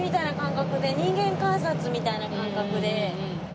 人間観察みたいな感覚で。